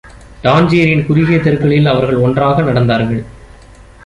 டான்ஜியரின் குறுகிய தெருக்களில் அவர்கள் ஒன்றாக நடந்தார்கள்.